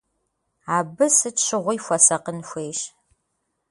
Абы сыт щыгъуи хуэсакъын хуейщ.